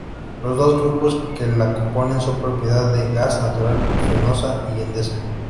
Los dos grupos que la componen son propiedad de Gas Natural Fenosa y Endesa.